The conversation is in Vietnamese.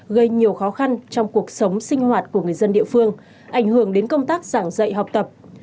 gây nhiều khó khăn trong cuộc sống sinh hoạt của người dân địa phương ảnh hưởng đến công tác giảng dạy học tập